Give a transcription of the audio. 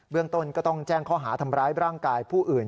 เรื่องต้นก็ต้องแจ้งข้อหาทำร้ายร่างกายผู้อื่น